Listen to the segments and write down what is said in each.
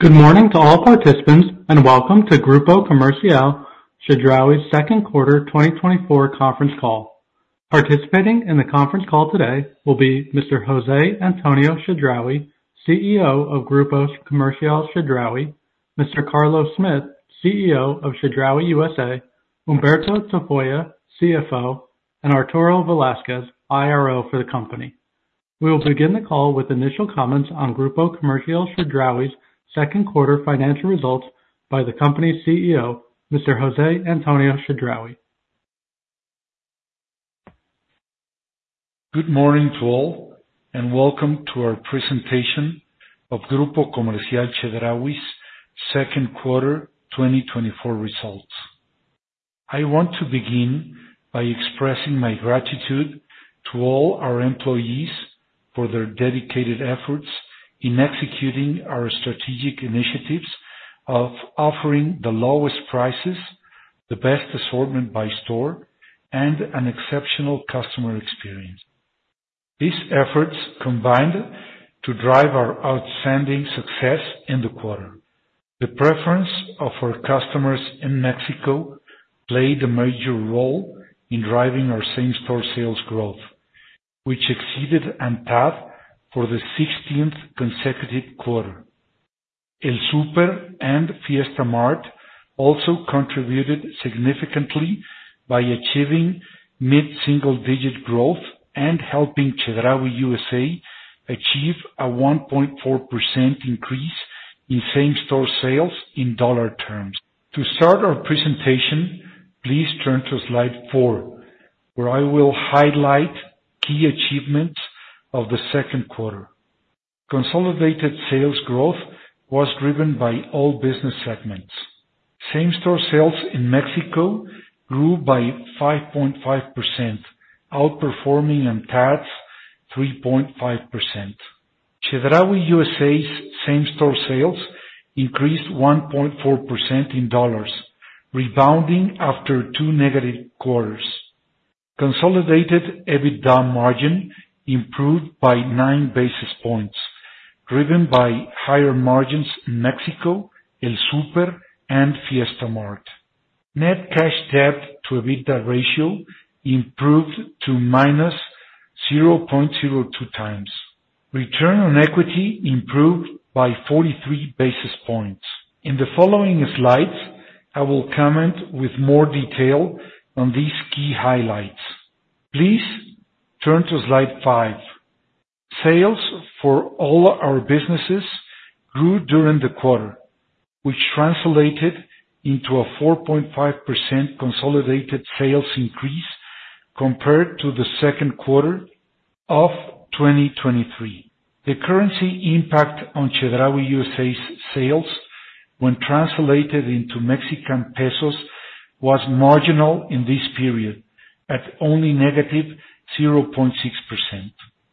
Good morning to all participants, and welcome to Grupo Comercial Chedraui's second quarter 2024 conference call. Participating in the conference call today will be Mr. José Antonio Chedraui, CEO of Grupo Comercial Chedraui, Mr. Carlos Smith, CEO of Chedraui USA, Humberto Tafolla, CFO, and Arturo Velazquez, IRO for the company. We will begin the call with initial comments on Grupo Comercial Chedraui's second quarter financial results by the company's CEO, Mr. José Antonio Chedraui. Good morning to all, and welcome to our presentation of Grupo Comercial Chedraui's second quarter 2024 results. I want to begin by expressing my gratitude to all our employees for their dedicated efforts in executing our strategic initiatives of offering the lowest prices, the best assortment by store, and an exceptional customer experience. These efforts combined to drive our outstanding success in the quarter. The preference of our customers in Mexico played a major role in driving our same-store sales growth, which exceeded ANTAD for the 16th consecutive quarter. El Super and Fiesta Mart also contributed significantly by achieving mid-single-digit growth and helping Chedraui USA achieve a 1.4% increase in same-store sales in dollar terms. To start our presentation, please turn to slide four, where I will highlight key achievements of the second quarter. Consolidated sales growth was driven by all business segments. Same-store sales in Mexico grew by 5.5%, outperforming ANTAD's 3.5%. Chedraui USA's same-store sales increased 1.4% in dollars, rebounding after two negative quarters. Consolidated EBITDA margin improved by 9 basis points, driven by higher margins in Mexico, El Super, and Fiesta Mart. Net cash debt to EBITDA ratio improved to -0.02x. Return on equity improved by 43 basis points. In the following slides, I will comment with more detail on these key highlights. Please turn to slide five. Sales for all our businesses grew during the quarter, which translated into a 4.5% consolidated sales increase compared to the second quarter of 2023. The currency impact on Chedraui USA's sales, when translated into Mexican pesos, was marginal in this period, at only -0.6%.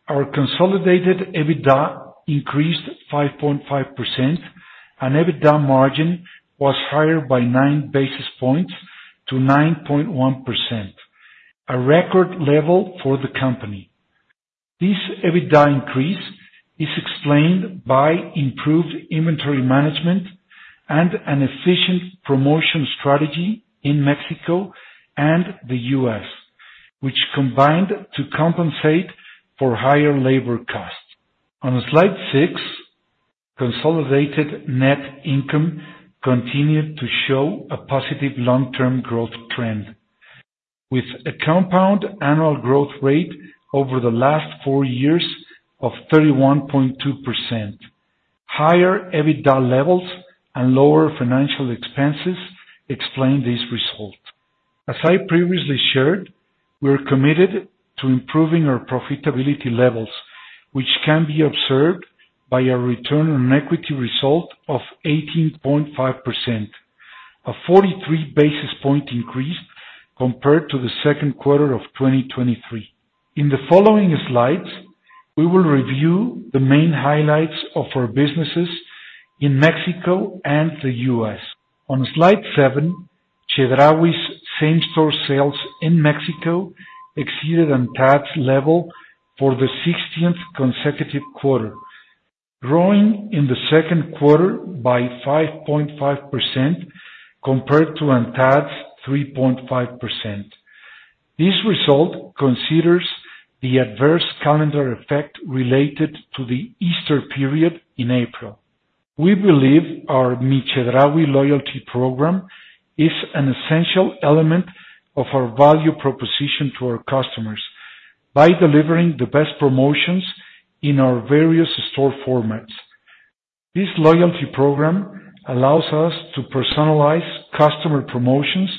Our consolidated EBITDA increased 5.5%, and EBITDA margin was higher by 9 basis points to 9.1%, a record level for the company. This EBITDA increase is explained by improved inventory management and an efficient promotion strategy in Mexico and the U.S., which combined to compensate for higher labor costs. On slide six, consolidated net income continued to show a positive long-term growth trend, with a compound annual growth rate over the last four years of 31.2%. Higher EBITDA levels and lower financial expenses explain this result. As I previously shared, we're committed to improving our profitability levels, which can be observed by a return on equity result of 18.5%, a 43 basis points increase compared to the second quarter of 2023. In the following slides, we will review the main highlights of our businesses in Mexico and the U.S. On slide seven, Chedraui's same-store sales in Mexico exceeded ANTAD's level for the 16th consecutive quarter, growing in the second quarter by 5.5% compared to ANTAD's 3.5%. This result considers the adverse calendar effect related to the Easter period in April. We believe our Mi Chedraui loyalty program is an essential element of our value proposition to our customers by delivering the best promotions in our various store formats. This loyalty program allows us to personalize customer promotions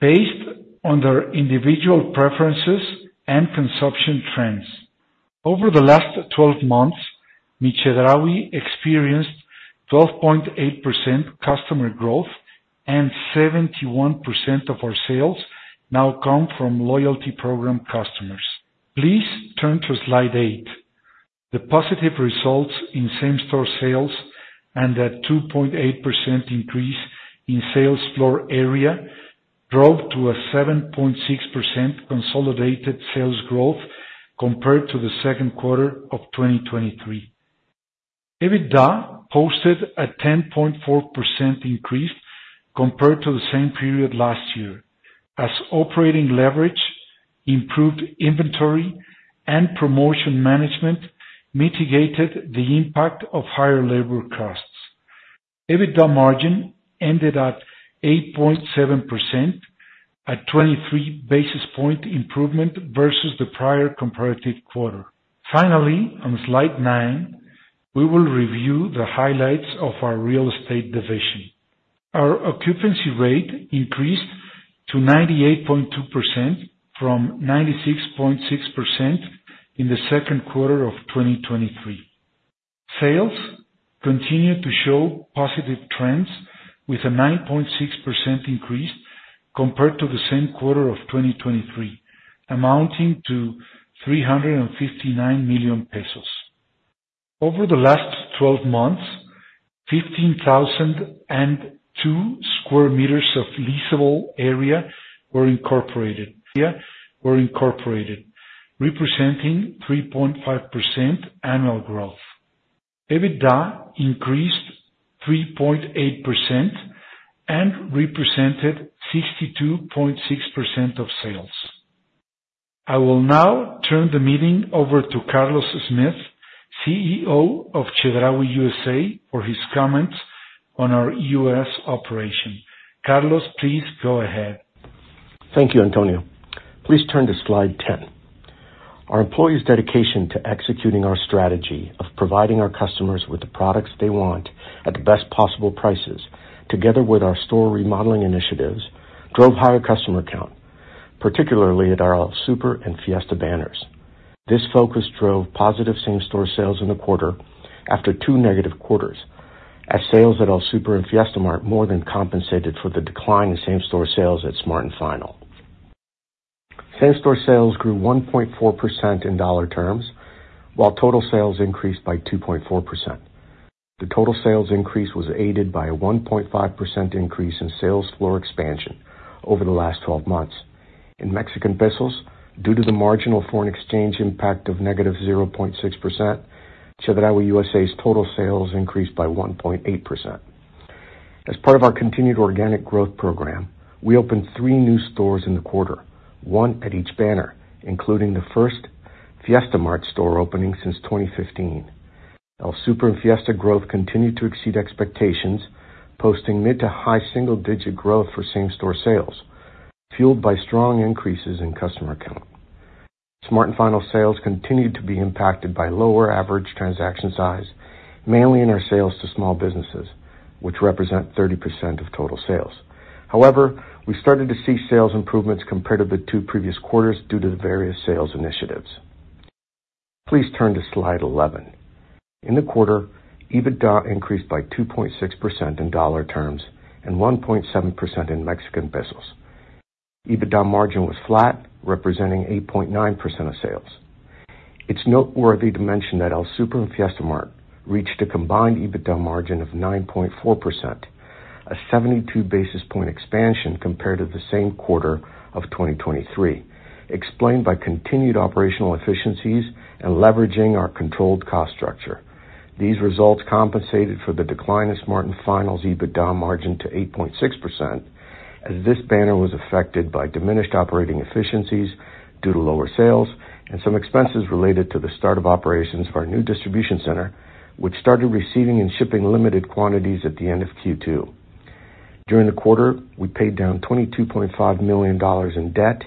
based on their individual preferences and consumption trends. Over the last 12 months, Mi Chedraui experienced 12.8% customer growth, and 71% of our sales now come from loyalty program customers. Please turn to slide eight. The positive results in same-store sales and a 2.8% increase in sales floor area drove to a 7.6% consolidated sales growth compared to the second quarter of 2023. EBITDA posted a 10.4% increase compared to the same period last year, as operating leverage, improved inventory, and promotion management mitigated the impact of higher labor costs. EBITDA margin ended at 8.7%, a 23 basis point improvement versus the prior comparative quarter. Finally, on slide 9, we will review the highlights of our real estate division. Our occupancy rate increased to 98.2% from 96.6% in the second quarter of 2023. Sales continued to show positive trends with a 9.6% increase compared to the same quarter of 2023, amounting to 359 million pesos. Over the last 12 months, 15,002 square meters of leasable area were incorporated, representing 3.5% annual growth. EBITDA increased 3.8% and represented 62.6% of sales. I will now turn the meeting over to Carlos Smith, CEO of Chedraui USA, for his comments on our U.S. operation. Carlos, please go ahead. Thank you, Antonio. Please turn to slide 10. Our employees' dedication to executing our strategy of providing our customers with the products they want at the best possible prices, together with our store remodeling initiatives, drove higher customer count, particularly at our El Super and Fiesta banners. This focus drove positive same-store sales in the quarter after two negative quarters, as sales at El Super and Fiesta Mart more than compensated for the decline in same-store sales at Smart & Final. Same-store sales grew 1.4% in dollar terms, while total sales increased by 2.4%. The total sales increase was aided by a 1.5% increase in sales floor expansion over the last twelve months. In Mexican pesos, due to the marginal foreign exchange impact of -0.6%, Chedraui USA's total sales increased by 1.8%. As part of our continued organic growth program, we opened 3 new stores in the quarter, 1 at each banner, including the first Fiesta Mart store opening since 2015. El Super and Fiesta growth continued to exceed expectations, posting mid- to high-single-digit growth for same-store sales, fueled by strong increases in customer count. Smart & Final sales continued to be impacted by lower average transaction size, mainly in our sales to small businesses, which represent 30% of total sales. However, we started to see sales improvements compared to the 2 previous quarters due to the various sales initiatives. Please turn to slide 11. In the quarter, EBITDA increased by 2.6% in dollar terms and 1.7% in Mexican pesos. EBITDA margin was flat, representing 8.9% of sales. It's noteworthy to mention that El Super and Fiesta Mart reached a combined EBITDA margin of 9.4%, a 72 basis point expansion compared to the same quarter of 2023, explained by continued operational efficiencies and leveraging our controlled cost structure. These results compensated for the decline in Smart & Final's EBITDA margin to 8.6%, as this banner was affected by diminished operating efficiencies due to lower sales and some expenses related to the start of operations for our new distribution center, which started receiving and shipping limited quantities at the end of Q2. During the quarter, we paid down $22.5 million in debt,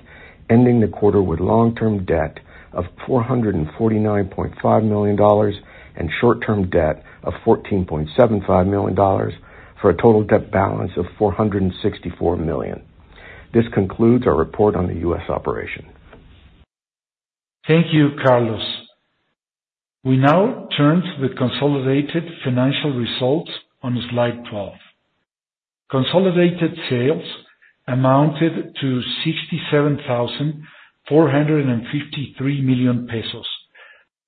ending the quarter with long-term debt of $449.5 million and short-term debt of $14.75 million, for a total debt balance of $464 million. This concludes our report on the U.S. operation. Thank you, Carlos. We now turn to the consolidated financial results on slide 12. Consolidated sales amounted to 67,453 million pesos,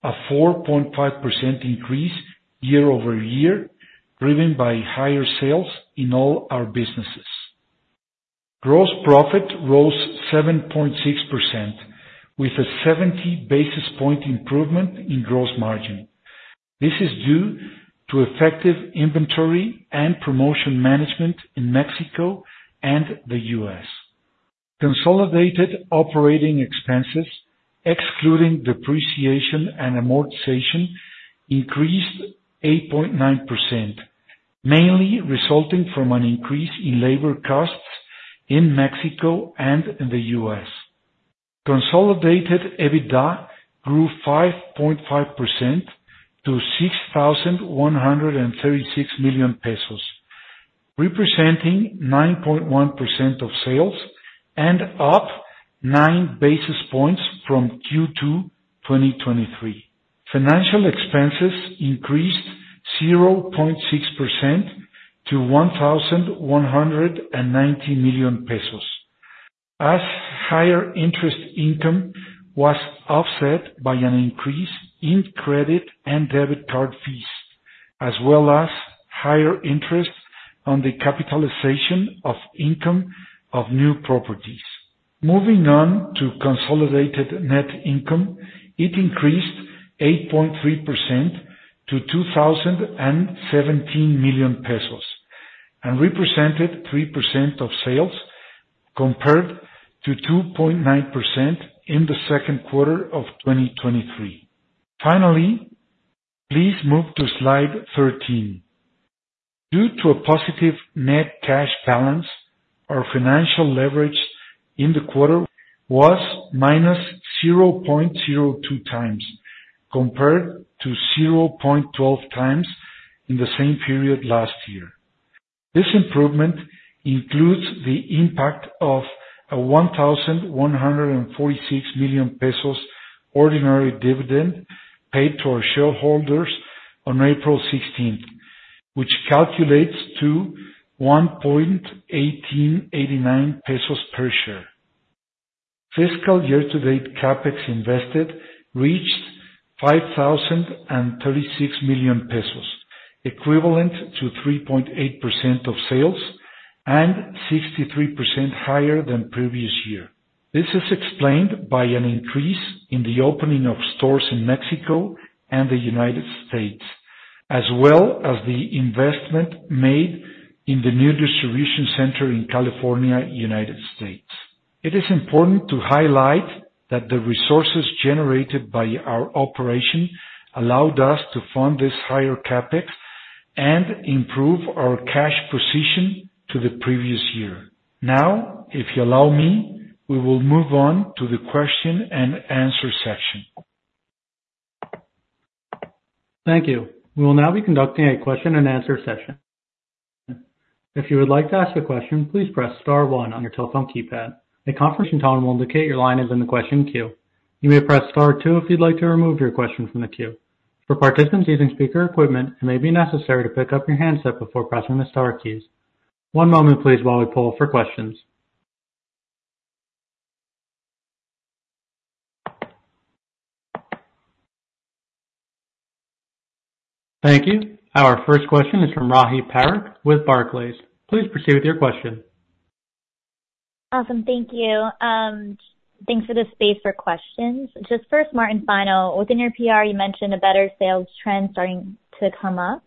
a 4.5% increase year-over-year, driven by higher sales in all our businesses. Gross profit rose 7.6%, with a 70 basis point improvement in gross margin. This is due to effective inventory and promotion management in Mexico and the US. Consolidated operating expenses, excluding depreciation and amortization, increased 8.9%, mainly resulting from an increase in labor costs in Mexico and in the U.S. Consolidated EBITDA grew 5.5% to MXN 6,136 million, representing 9.1% of sales and up nine basis points from Q2 2023. Financial expenses increased 0.6% to 1,190 million pesos, as higher interest income was offset by an increase in credit and debit card fees.as well as higher interest on the capitalization of income of new properties. Moving on to consolidated net income, it increased 8.3% to 2,017 million pesos, and represented 3% of sales, compared to 2.9% in the second quarter of 2023. Finally, please move to Slide 13. Due to a positive net cash balance, our financial leverage in the quarter was -0.02x, compared to 0.12x in the same period last year. This improvement includes the impact of a 1,146 million pesos ordinary dividend paid to our shareholders on April sixteenth, which calculates to 1.1889 pesos per share. Fiscal year to date, CapEx invested reached 5,036 million pesos, equivalent to 3.8% of sales and 63% higher than previous year. This is explained by an increase in the opening of stores in Mexico and the United States, as well as the investment made in the new distribution center in California, United States. It is important to highlight that the resources generated by our operation allowed us to fund this higher CapEx and improve our cash position to the previous year. Now, if you allow me, we will move on to the question and answer section. Thank you. We will now be conducting a question and answer session. If you would like to ask a question, please press star one on your telephone keypad. A conference tone will indicate your line is in the question queue. You may press star two if you'd like to remove your question from the queue. For participants using speaker equipment, it may be necessary to pick up your handset before pressing the star keys. One moment please, while we pull for questions. Thank you. Our first question is from Rahi Parikh with Barclays. Please proceed with your question. Awesome. Thank you. Thanks for the space for questions. Just first, Smart & Final. Within your PR, you mentioned a better sales trend starting to come up.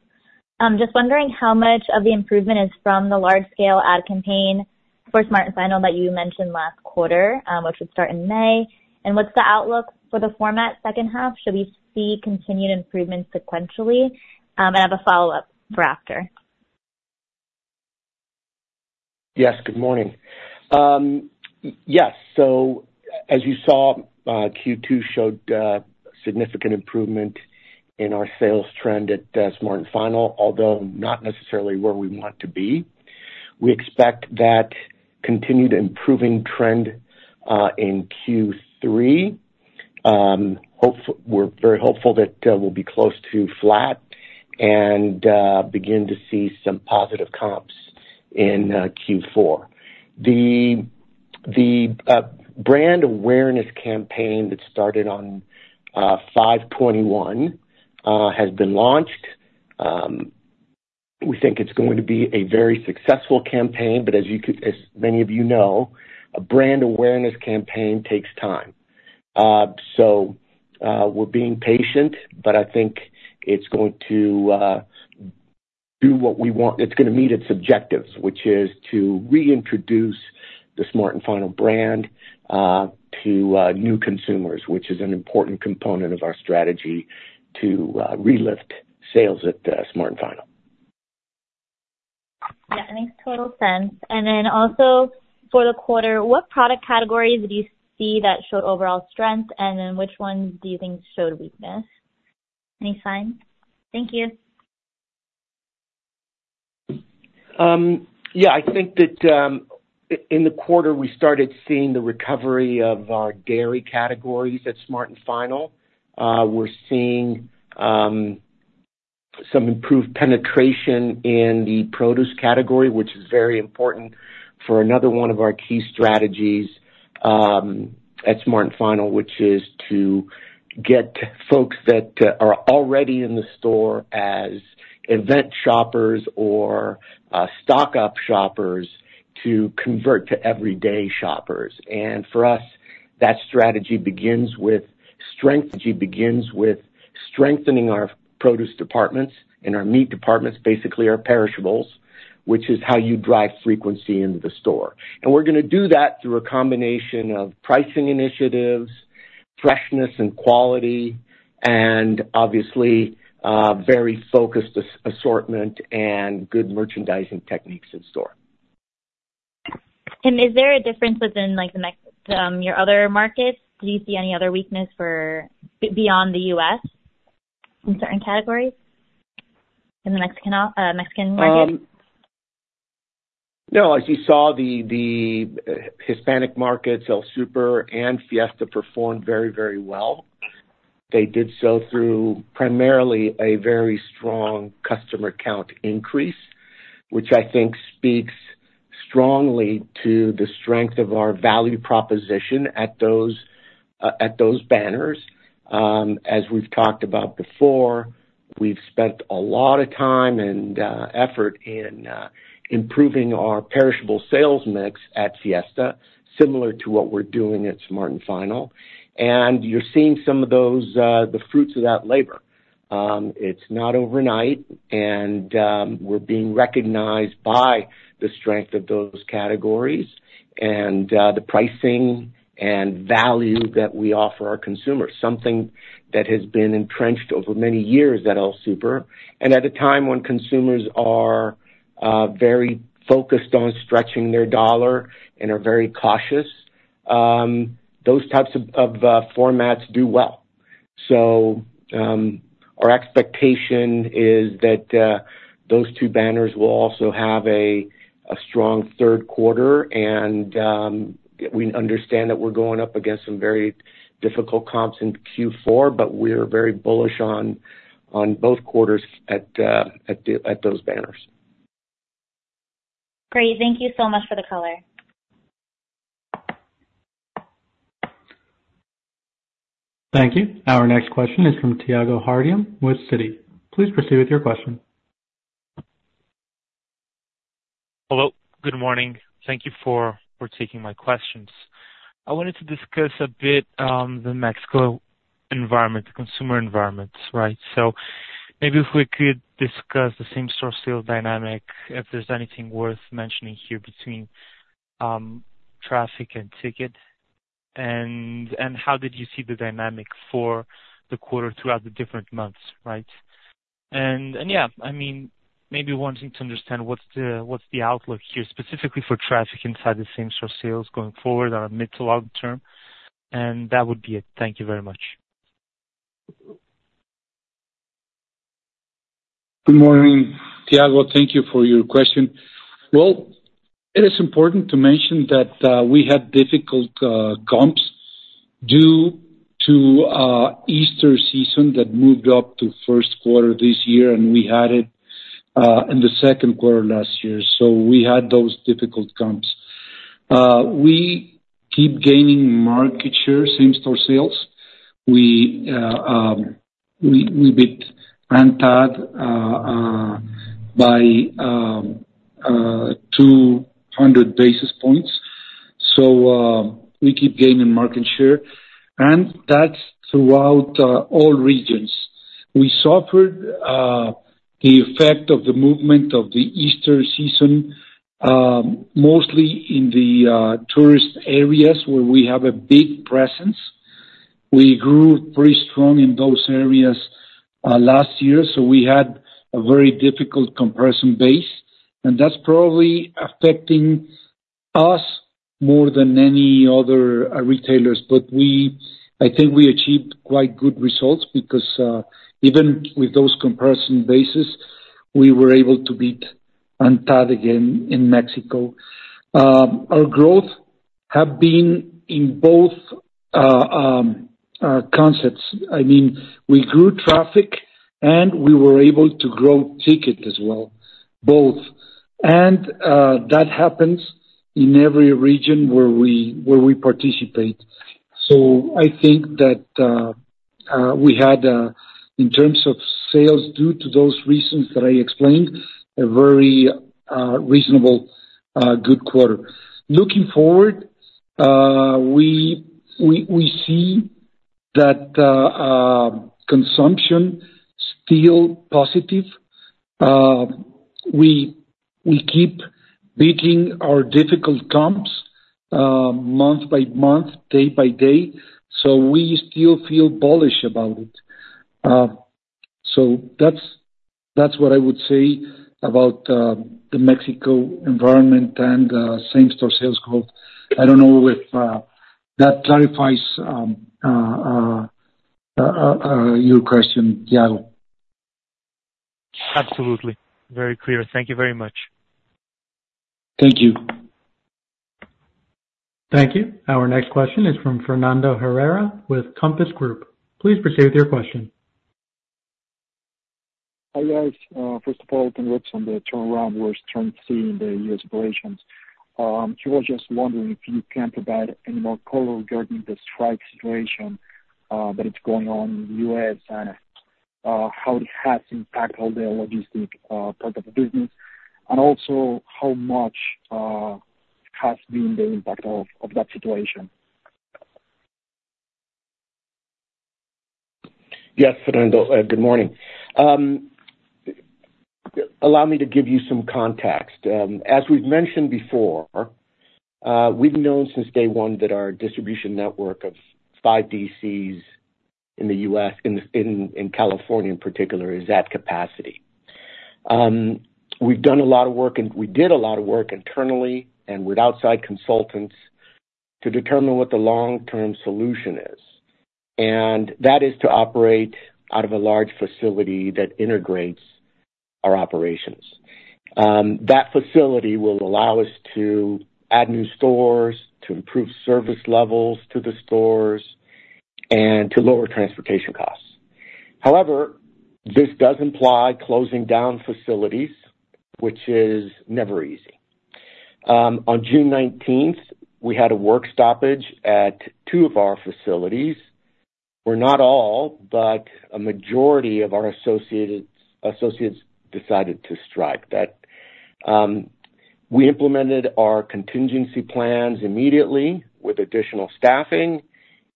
Just wondering how much of the improvement is from the large scale ad campaign for Smart & Final that you mentioned last quarter, which would start in May? And what's the outlook for the format second half? Should we see continued improvement sequentially? I have a follow-up for after. Yes, good morning. Yes, so as you saw, Q2 showed significant improvement in our sales trend at Smart & Final, although not necessarily where we want to be. We expect that continued improving trend in Q3. We're very hopeful that we'll be close to flat and begin to see some positive comps in Q4. The brand awareness campaign that started on 5.1 has been launched. We think it's going to be a very successful campaign, but as you can as many of you know, a brand awareness campaign takes time. So, we're being patient, but I think it's going to do what we want. It's gonna meet its objectives, which is to reintroduce the Smart & Final brand to new consumers, which is an important component of our strategy to relift sales at Smart & Final. Yeah, it makes total sense. And then also for the quarter, what product categories do you see that showed overall strength, and then which ones do you think showed weakness? Any signs? Thank you. Yeah, I think that, in the quarter, we started seeing the recovery of our dairy categories at Smart & Final. We're seeing some improved penetration in the produce category, which is very important for another one of our key strategies at Smart & Final, which is to get folks that are already in the store as event shoppers or stock-up shoppers to convert to everyday shoppers. And for us, that strategy begins with strengthening our produce departments and our meat departments, basically our perishables, which is how you drive frequency into the store. And we're gonna do that through a combination of pricing initiatives, freshness and quality, and obviously very focused assortment and good merchandising techniques in store. Is there a difference within, like, the Mexican, your other markets? Do you see any other weakness beyond the US in certain categories, in the Mexican market? No, as you saw, the Hispanic markets, El Super and Fiesta performed very, very well. They did so through primarily a very strong customer count increase, which I think speaks strongly to the strength of our value proposition at those, at those banners. As we've talked about before, we've spent a lot of time and effort in improving our perishable sales mix at Fiesta, similar to what we're doing at Smart & Final. And you're seeing some of those, the fruits of that labor. It's not overnight, and we're being recognized by the strength of those categories and the pricing and value that we offer our consumers, something that has been entrenched over many years at El Super. And at a time when consumers are very focused on stretching their dollar and are very cautious, those types of formats do well. Our expectation is that those two banners will also have a strong third quarter, and we understand that we're going up against some very difficult comps in Q4, but we're very bullish on both quarters at those banners. Great. Thank you so much for the color. Thank you. Our next question is from Thiago Bortoluci with Citi. Please proceed with your question. Hello, good morning. Thank you for taking my questions. I wanted to discuss a bit the Mexico environment, the consumer environment, right? So maybe if we could discuss the same store sales dynamic, if there's anything worth mentioning here between traffic and ticket. And how did you see the dynamic for the quarter throughout the different months, right? And yeah, I mean, maybe wanting to understand what's the outlook here, specifically for traffic inside the same store sales going forward on a mid to long term? And that would be it. Thank you very much. Good morning, Thiago. Thank you for your question. Well, it is important to mention that, we had difficult, comps due to, Easter season that moved up to first quarter this year, and we had it, in the second quarter last year. So we had those difficult comps. We keep gaining market share, same store sales. We, we beat ANTAD, by, 200 basis points, so, we keep gaining market share, and that's throughout, all regions. We suffered, the effect of the movement of the Easter season, mostly in the, tourist areas where we have a big presence. We grew very strong in those areas, last year, so we had a very difficult comparison base, and that's probably affecting us more than any other, retailers. But I think we achieved quite good results because, even with those comparison bases, we were able to beat ANTAD again in Mexico. Our growth have been in both concepts. I mean, we grew traffic, and we were able to grow ticket as well, both. And that happens in every region where we participate. So I think that we had, in terms of sales, due to those reasons that I explained, a very reasonable good quarter. Looking forward, we see that consumption still positive. We keep beating our difficult comps, month by month, day by day, so we still feel bullish about it. So that's what I would say about the Mexico environment and same store sales growth. I don't know if that clarifies your question, Thiago. Absolutely. Very clear. Thank you very much. Thank you. Thank you. Our next question is from Fernando Herrera with Compass Group. Please proceed with your question. Hi, guys. First of all, congrats on the turnaround we're starting to see in the U.S. operations. I was just wondering if you can provide any more color regarding the strike situation that is going on in the U.S., and how it has impacted the logistics part of the business, and also how much has been the impact of that situation? Yes, Fernando, good morning. Allow me to give you some context. As we've mentioned before, we've known since day one that our distribution network of five DCs in the U.S., in California in particular, is at capacity. We've done a lot of work and we did a lot of work internally and with outside consultants to determine what the long-term solution is, and that is to operate out of a large facility that integrates our operations. That facility will allow us to add new stores, to improve service levels to the stores, and to lower transportation costs. However, this does imply closing down facilities, which is never easy. On June nineteenth, we had a work stoppage at two of our facilities, where not all, but a majority of our associates decided to strike. That, we implemented our contingency plans immediately with additional staffing,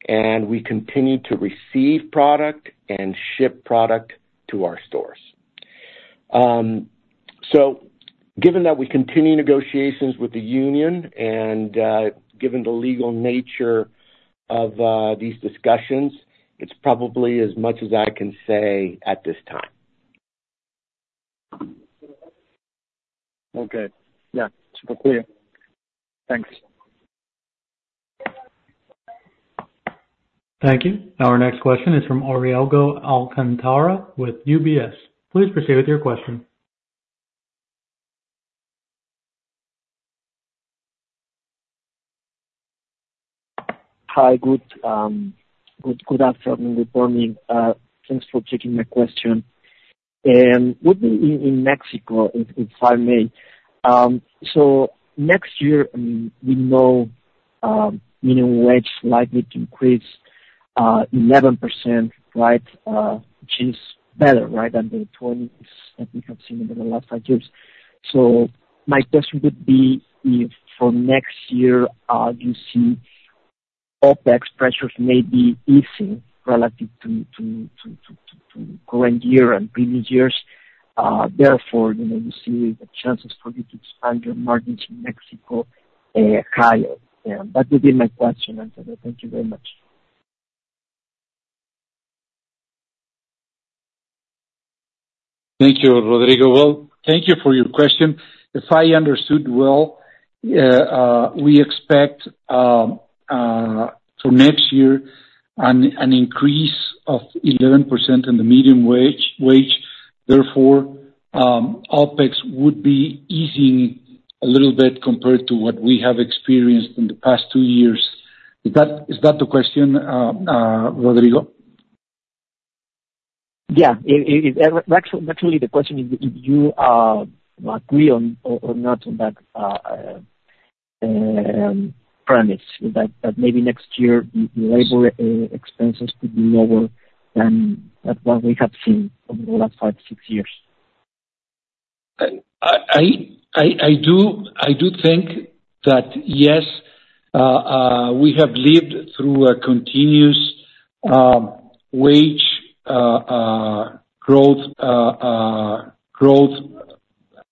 and we continued to receive product and ship product to our stores. So given that we continue negotiations with the union and, given the legal nature of these discussions, it's probably as much as I can say at this time. Okay. Yeah, super clear. Thanks. Thank you. Our next question is from Rodrigo Alcantara with UBS. Please proceed with your question. Hi, good afternoon, good morning, thanks for taking my question. And within Mexico, if I may, so next year, we know, minimum wage is likely to increase 11%, right? Which is better, right, than the twenties that we have seen over the last five years. So my question would be if for next year, you see OpEx pressures may be easing relative to current year and previous years, therefore, you know, you see the chances for you to expand your margins in Mexico higher? Yeah, that would be my question, Antonio. Thank you very much. Thank you, Rodrigo. Well, thank you for your question. If I understood well, we expect for next year an increase of 11% in the medium wage, therefore, OpEx would be easing a little bit compared to what we have experienced in the past two years. Is that the question, Rodrigo? Yeah, it is. Actually, the question is if you agree on or not on that premise, that maybe next year your labor expenses could be lower than what we have seen over the last five, six years. I do think that, yes, we have lived through a continuous wage growth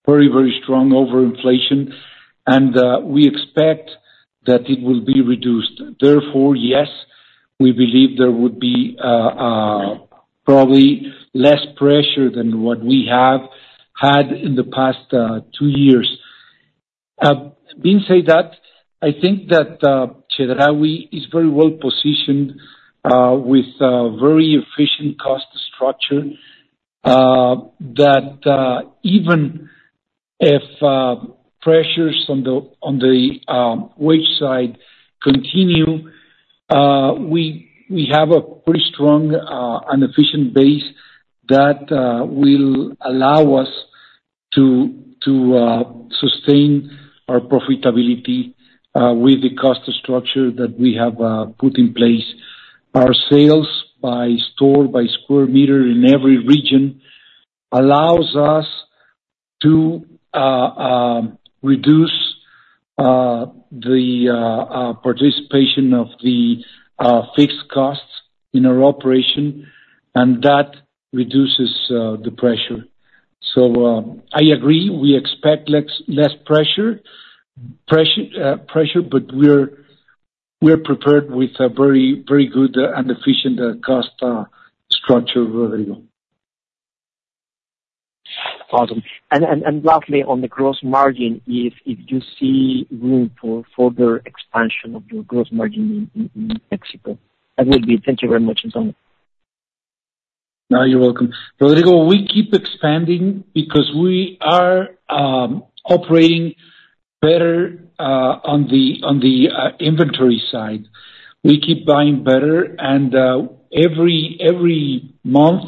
very, very strong over inflation, and we expect that it will be reduced. Therefore, yes, we believe there would be probably less pressure than what we have had in the past two years. That being said, I think that Chedraui is very well positioned with a very efficient cost structure that even if pressures on the wage side continue, we have a pretty strong and efficient base that will allow us to sustain our profitability with the cost structure that we have put in place. Our sales by store, by square meter in every region allows us to reduce the participation of the fixed costs in our operation, and that reduces the pressure. So, I agree, we expect less pressure, but we're prepared with a very, very good and efficient cost structure, Rodrigo. Awesome. And lastly, on the gross margin, if you see room for further expansion of your gross margin in Mexico? That will be it. Thank you very much, and so on. No, you're welcome. Rodrigo, we keep expanding because we are operating better on the inventory side. We keep buying better, and every month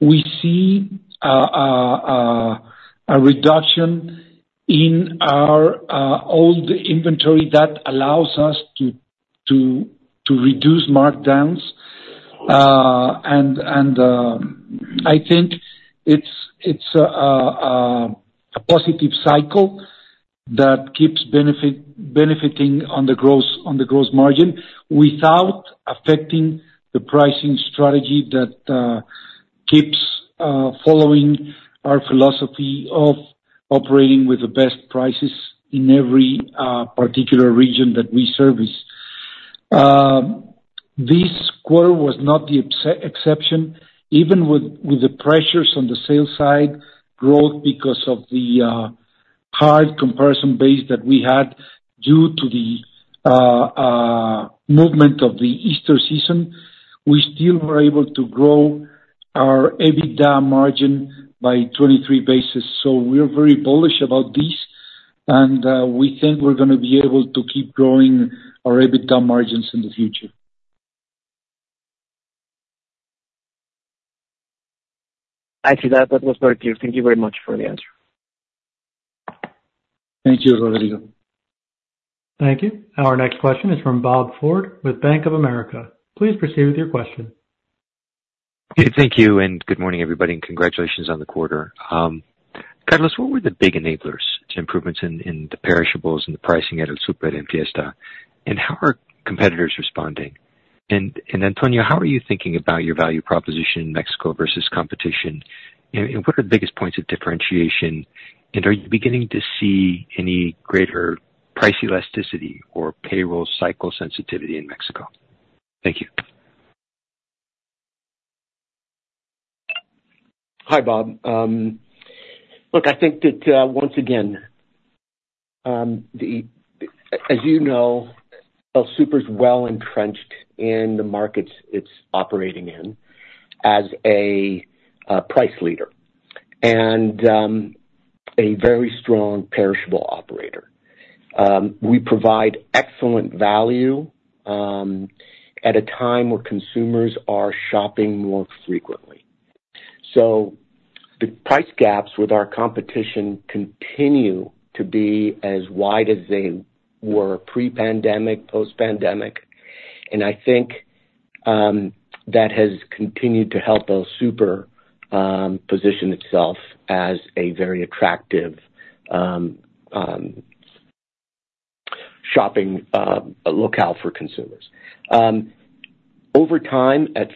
we see a reduction in our old inventory that allows us to reduce markdowns. And I think it's a positive cycle that keeps benefiting on the gross margin without affecting the pricing strategy that keeps following our philosophy of operating with the best prices in every particular region that we service. This quarter was not the exception, even with the pressures on the sales side growth because of the hard comparison base that we had due to the movement of the Easter season, we still were able to grow our EBITDA margin by 23 basis. So we're very bullish about this and we think we're gonna be able to keep growing our EBITDA margins in the future. I see that. That was very clear. Thank you very much for the answer. Thank you, Rodrigo. Thank you. Our next question is from Bob Ford with Bank of America. Please proceed with your question. Thank you, and good morning, everybody, and congratulations on the quarter. Carlos, what were the big enablers to improvements in the perishables and the pricing at El Super and Fiesta? And how are competitors responding? And Antonio, how are you thinking about your value proposition in Mexico versus competition? And what are the biggest points of differentiation, and are you beginning to see any greater price elasticity or payroll cycle sensitivity in Mexico? Thank you. Hi, Bob. Look, I think that, as you know, El Super is well entrenched in the markets it's operating in as a price leader and a very strong perishable operator. We provide excellent value at a time where consumers are shopping more frequently. So the price gaps with our competition continue to be as wide as they were pre-pandemic, post-pandemic, and I think that has continued to help El Super position itself as a very attractive shopping locale for consumers. Over time at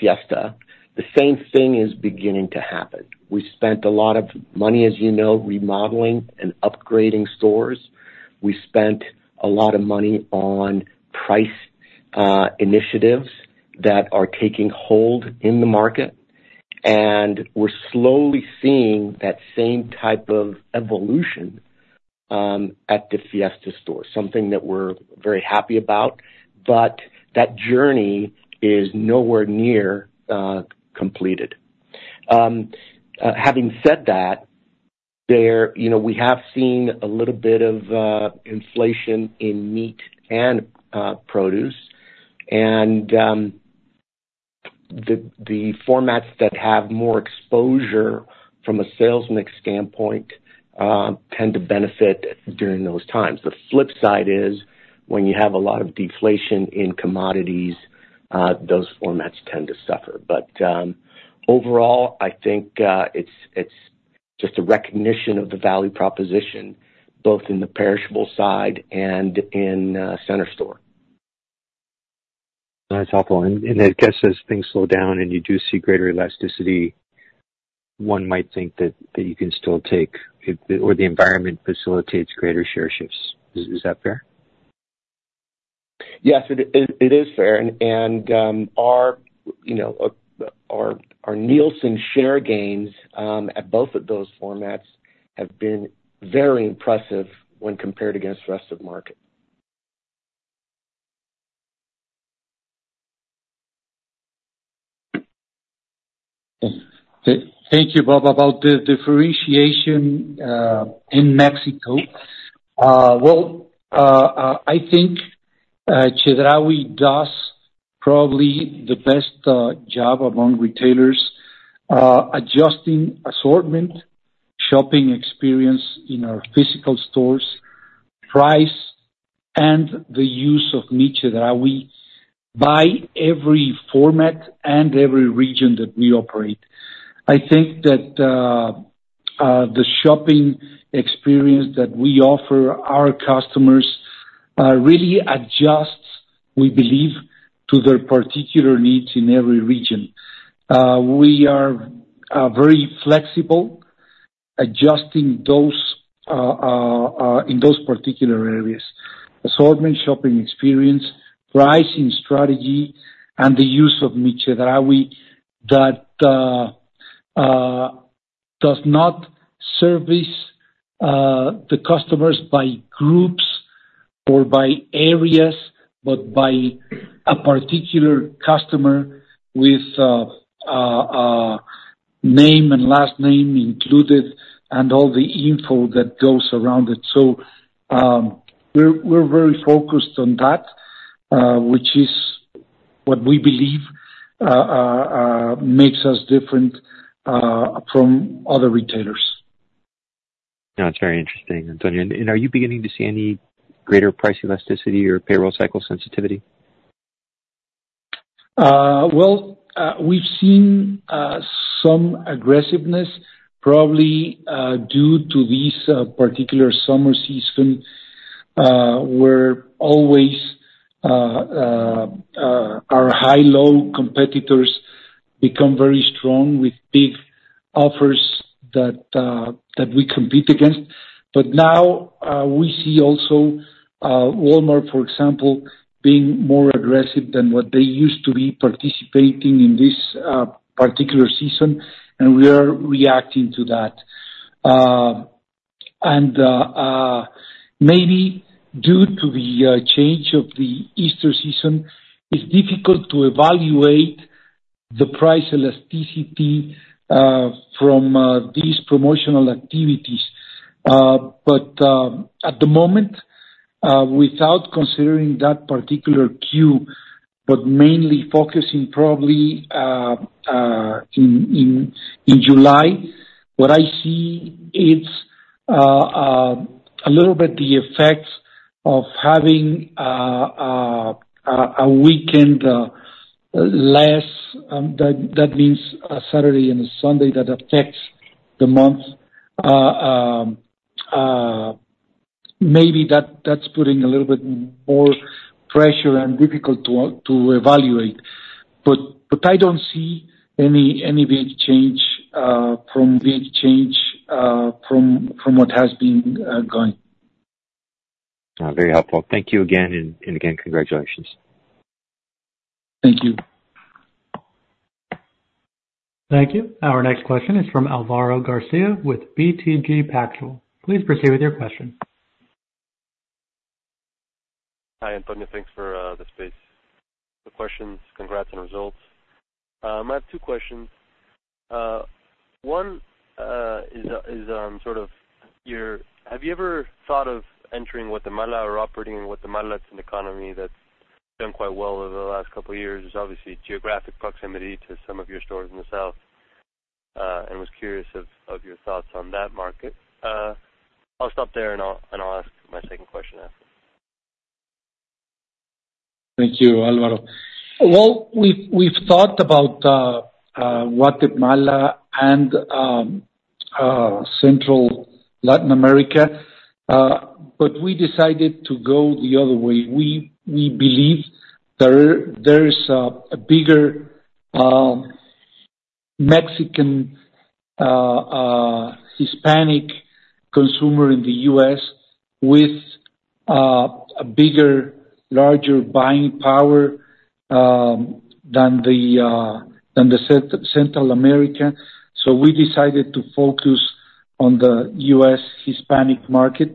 Fiesta, the same thing is beginning to happen. We spent a lot of money, as you know, remodeling and upgrading stores. We spent a lot of money on price initiatives that are taking hold in the market, and we're slowly seeing that same type of evolution at the Fiesta store, something that we're very happy about. But that journey is nowhere near completed. Having said that, you know, we have seen a little bit of inflation in meat and produce, and the formats that have more exposure from a sales mix standpoint tend to benefit during those times. The flip side is, when you have a lot of deflation in commodities, those formats tend to suffer. But overall, I think it's just a recognition of the value proposition, both in the perishable side and in center store. That's helpful. And I guess as things slow down, and you do see greater elasticity, one might think that you can still take, if, or the environment facilitates greater share shifts. Is that fair? Yes, it is fair, and our, you know, our Nielsen share gains at both of those formats have been very impressive when compared against the rest of the market. Thank you, Bob. About the differentiation, in Mexico, well, I think, Chedraui does probably the best job among retailers, adjusting assortment, shopping experience in our physical stores, price, and the use of Mi Chedraui by every format and every region that we operate. I think that, the shopping experience that we offer our customers, really adjusts, we believe, to their particular needs in every region. We are very flexible adjusting those, in those particular areas: assortment, shopping experience, pricing strategy, and the use of Mi Chedraui, that does not service the customers by groups or by areas, but by a particular customer with name and last name included and all the info that goes around it. So, we're very focused on that, makes us different from other retailers. That's very interesting, Antonio. And are you beginning to see any greater price elasticity or payroll cycle sensitivity? Well, we've seen some aggressiveness probably due to this particular summer season, where always our High-Low competitors become very strong with big offers that we compete against. But now, we see also Walmart, for example, being more aggressive than what they used to be participating in this particular season, and we are reacting to that. And maybe due to the change of the Easter season, it's difficult to evaluate the price elasticity from these promotional activities. But at the moment, without considering that particular queue, but mainly focusing probably in July, what I see it's a little bit the effect of having a weekend less, that means a Saturday and a Sunday that affects the month. Maybe that's putting a little bit more pressure and difficult to evaluate. But I don't see any big change from what has been going. Very helpful. Thank you again, and, and again, congratulations. Thank you. Thank you. Our next question is from Álvaro García with BTG Pactual. Please proceed with your question. Hi, Antonio. Thanks for the space, the questions. Congrats on results. I have two questions. One is, have you ever thought of entering Guatemala or operating in Guatemala? It's an economy that's done quite well over the last couple of years. There's obviously geographic proximity to some of your stores in the south, and was curious of your thoughts on that market. I'll stop there, and I'll ask my second question after. Thank you, Alvaro. Well, we've thought about Guatemala and Central America, but we decided to go the other way. We believe there is a bigger Mexican Hispanic consumer in the US with a bigger, larger buying power than the Central America. So we decided to focus on the US Hispanic market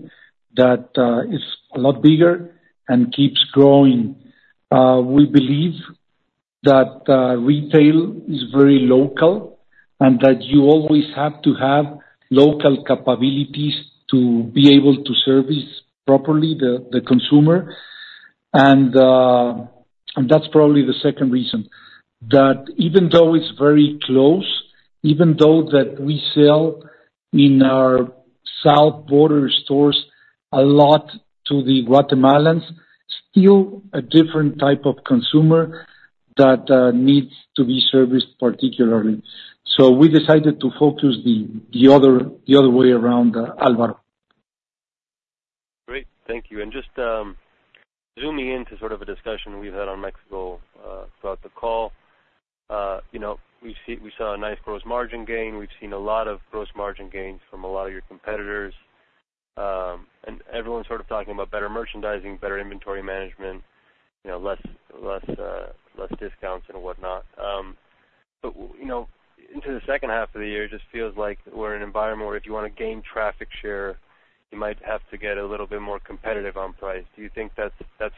that is a lot bigger and keeps growing. We believe that retail is very local and that you always have to have local capabilities to be able to service properly the consumer. And that's probably the second reason, that even though it's very close, even though that we sell in our south border stores a lot to the Guatemalans, still a different type of consumer that needs to be serviced particularly. So we decided to focus the other way around, Alvaro. Great, thank you. And just zooming in to sort of a discussion we've had on Mexico throughout the call, you know, we see. We saw a nice gross margin gain. We've seen a lot of gross margin gains from a lot of your competitors. And everyone's sort of talking about better merchandising, better inventory management, you know, less discounts and whatnot. But you know, into the second half of the year, it just feels like we're in an environment where if you wanna gain traffic share, you might have to get a little bit more competitive on price. Do you think that's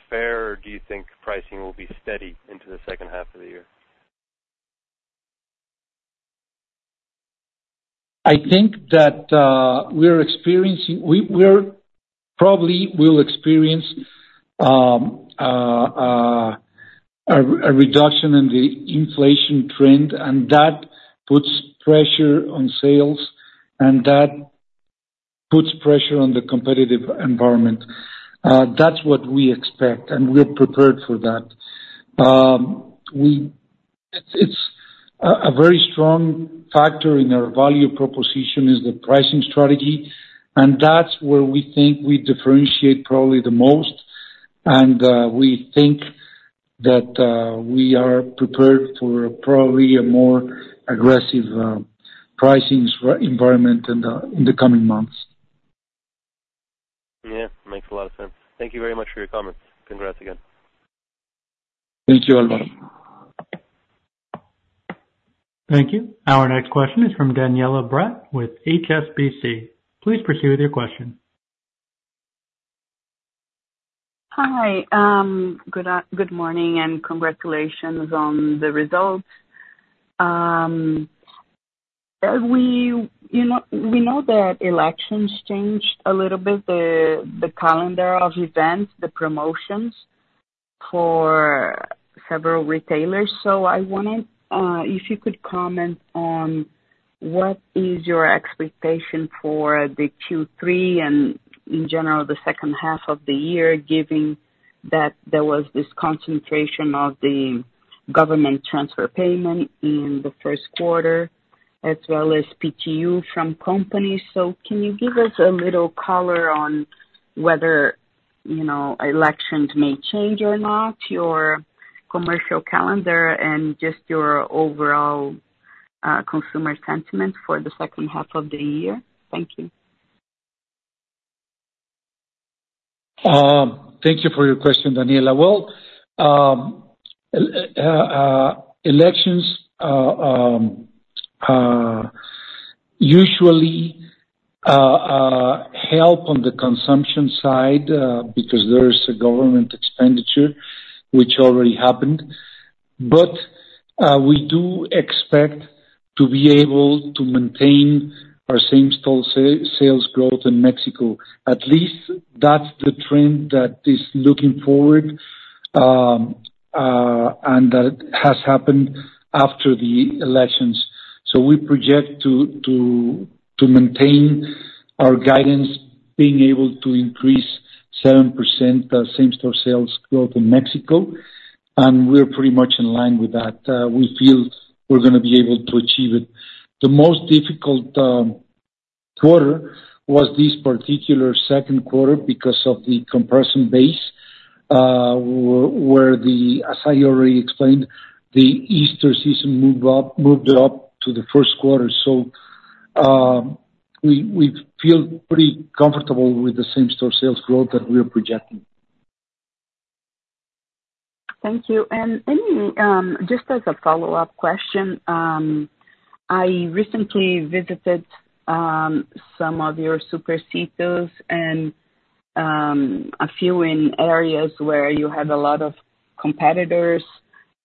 fair, or do you think pricing will be steady into the second half of the year? I think that we're experiencing. We probably will experience a reduction in the inflation trend, and that puts pressure on sales, and that puts pressure on the competitive environment. That's what we expect, and we're prepared for that. It's a very strong factor in our value proposition is the pricing strategy, and that's where we think we differentiate probably the most, and we think that we are prepared for probably a more aggressive pricing environment in the coming months. Yeah, makes a lot of sense. Thank you very much for your comments. Congrats again. Thank you, Álvaro. Thank you. Our next question is from Daniela Bretthauer with HSBC. Please proceed with your question. Hi. Good morning, and congratulations on the results. You know, we know that elections changed a little bit, the calendar of events, the promotions for several retailers. So I wanted, if you could comment on what is your expectation for the Q3 and in general, the second half of the year, given that there was this concentration of the government transfer payment in the first quarter, as well as PTU from companies. So can you give us a little color on whether, you know, elections may change or not, your commercial calendar, and just your overall, consumer sentiment for the second half of the year? Thank you. Thank you for your question, Daniela. Well, elections usually help on the consumption side because there is a government expenditure which already happened. But we do expect to be able to maintain our same-store sales growth in Mexico. At least that's the trend that is looking forward, and that has happened after the elections. So we project to maintain our guidance, being able to increase 7% same-store sales growth in Mexico, and we're pretty much in line with that. We feel we're gonna be able to achieve it. The most difficult quarter was this particular second quarter because of the compression base, As I already explained, the Easter season moved up to the first quarter. So, we feel pretty comfortable with the same-store sales growth that we are projecting. Thank you. Anyway, just as a follow-up question, I recently visited some of your Supercitos and a few in areas where you have a lot of competitors,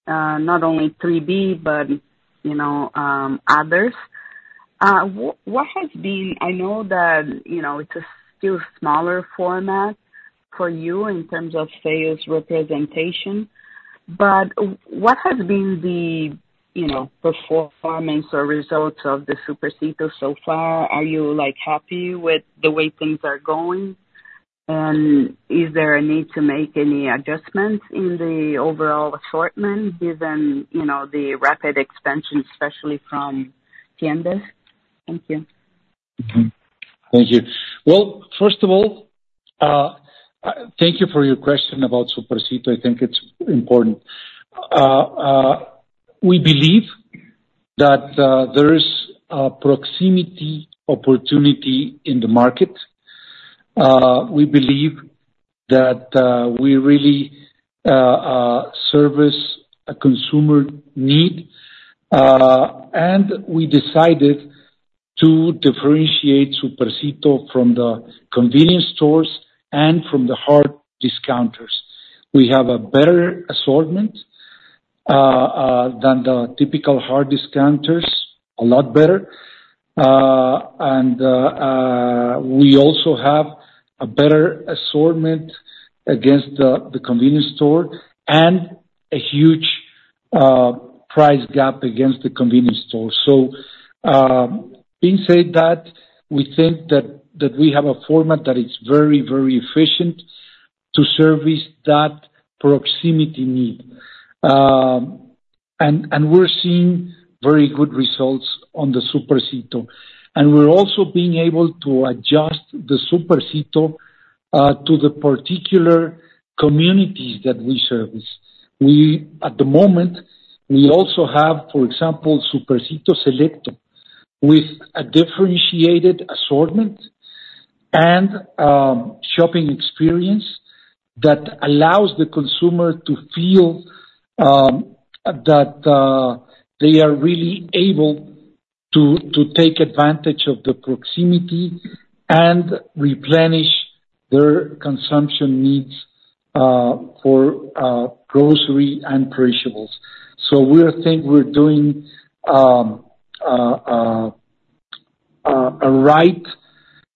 not only 3B, but, you know, others. I know that, you know, it's still a smaller format for you in terms of sales representation, but what has been the, you know, the performance or results of the Supercito so far? Are you, like, happy with the way things are going? And is there a need to make any adjustments in the overall assortment given, you know, the rapid expansion, especially from Tiendas? Thank you. Mm-hmm. Thank you. Well, first of all, thank you for your question about Supercito. I think it's important. We believe that there is a proximity opportunity in the market. We believe that we really service a consumer need, and we decided to differentiate Supercito from the convenience stores and from the hard discounters. We have a better assortment than the typical hard discounters, a lot better. And we also have a better assortment against the convenience store and a huge price gap against the convenience store. So, being said that, we think that we have a format that is very, very efficient to service that proximity need. And we're seeing very good results on the Supercito, and we're also being able to adjust the Supercito to the particular communities that we service. We at the moment also have, for example, Supercito Selecto, with a differentiated assortment and shopping experience that allows the consumer to feel that they are really able to take advantage of the proximity and replenish their consumption needs for grocery and perishables. So we think we're doing a right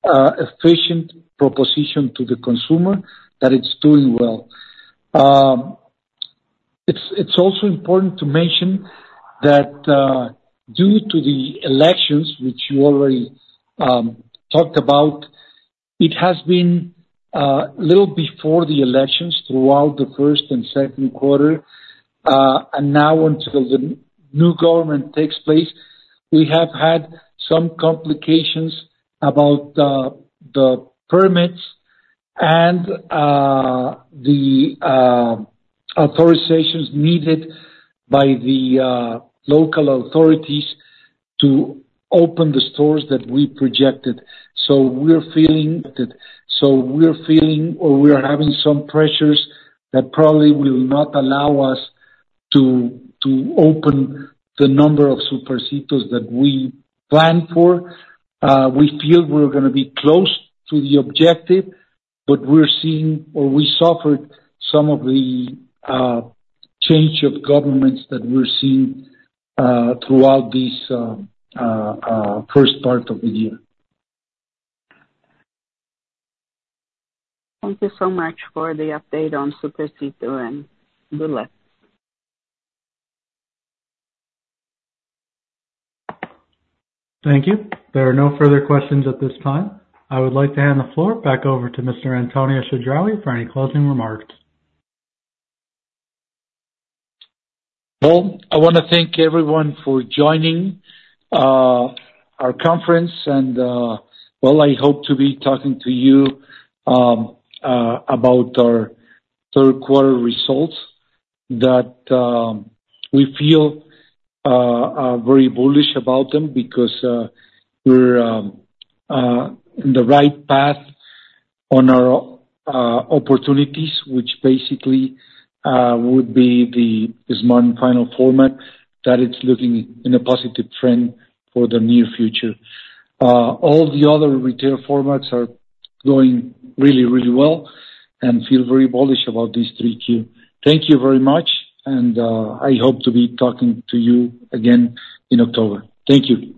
efficient proposition to the consumer that it's doing well. It's also important to mention that, due to the elections, which you already talked about, it has been little before the elections, throughout the first and second quarter, and now until the new government takes place, we have had some complications about the permits and the authorizations needed by the local authorities to open the stores that we projected. So we're feeling that. So we're feeling or we are having some pressures that probably will not allow us to open the number of Supercitos that we planned for. We feel we're gonna be close to the objective, but we're seeing, or we suffered some of the change of governments that we're seeing throughout this first part of the year. Thank you so much for the update on Supercito, and good luck. Thank you. There are no further questions at this time. I would like to hand the floor back over to Mr. Antonio Chedraui for any closing remarks. Well, I wanna thank everyone for joining our conference, and well, I hope to be talking to you about our third quarter results that we feel very bullish about them because we're in the right path on our opportunities, which basically would be the Smart & Final format that it's looking in a positive trend for the near future. All the other retail formats are going really, really well, and feel very bullish about these three key. Thank you very much, and I hope to be talking to you again in October. Thank you.